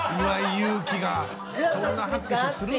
勇気がそんな拍手するな！